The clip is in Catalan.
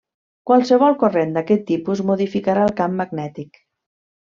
Qualsevol corrent d'aquest tipus modificarà el camp magnètic.